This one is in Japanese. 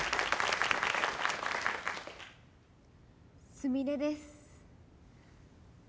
すみれです。